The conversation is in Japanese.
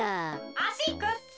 「あしくっさ！」。